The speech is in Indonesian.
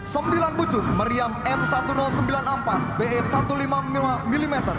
sembilan pucuk meriam m satu ratus sembilan puluh empat be satu ratus lima puluh lima mm